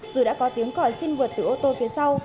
dù đã có tiếng còi sinh vượt từ ô tô phía sau